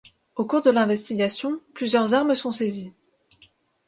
Au cours de l'investigation plusieurs armes sont saisies.